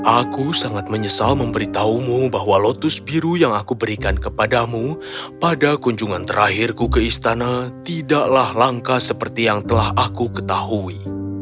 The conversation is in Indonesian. aku sangat menyesal memberitahumu bahwa lotus biru yang aku berikan kepadamu pada kunjungan terakhirku ke istana tidaklah langka seperti yang telah aku ketahui